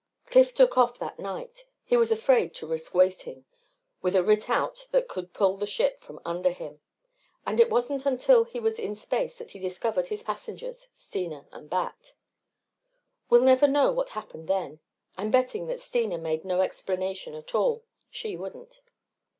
Cliff took off that night. He was afraid to risk waiting with a writ out that could pull the ship from under him. And it wasn't until he was in space that he discovered his passengers Steena and Bat. We'll never know what happened then. I'm betting that Steena made no explanation at all. She wouldn't.